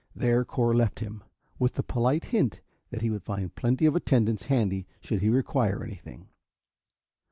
There Cor left him, with the polite hint that he would find plenty of attendants handy should he require anything.